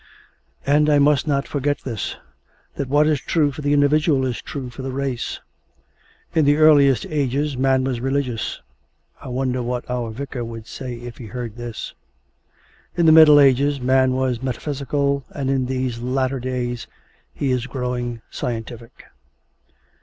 And I must not forget this, that what is true for the individual is true for the race. In the earliest ages man was religious (I wonder what our vicar would say if he heard this). In the Middle Ages man was metaphysical, and in these latter days he is growing scientific.